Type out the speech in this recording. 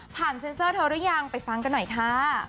เซ็นเซอร์เธอหรือยังไปฟังกันหน่อยค่ะ